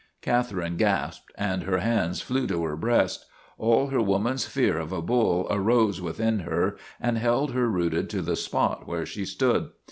Catherine gasped and her hands flew to her breast. All her woman's fear of a bull arose within her and held her rooted to the spot where she stood.